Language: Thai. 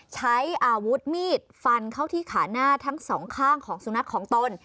ใช้อาวุธมีดฟันเข้าที่ขาหน้าทั้งสองข้างของสุนัขของตน